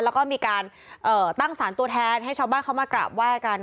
แล้วก็มีการตั้งสารตัวแทนให้ชาวบ้านเขามากราบไหว้กัน